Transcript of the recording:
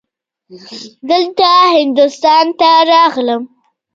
دلته هندوستان ته راغلم.